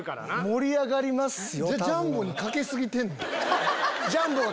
盛り上がりますよ。